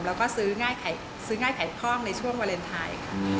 แล้วก็ซื้อง่ายขายคล่องในช่วงวาเลนไทย